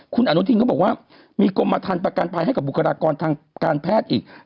คุณอนุทินก็บอกว่ามีกรมทันประกันภัยให้กับบุคลากรทางการแพทย์อีก